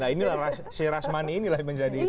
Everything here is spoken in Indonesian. nah inilah si rashmani inilah yang menjadi itu